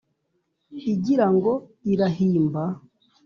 igirango irahimba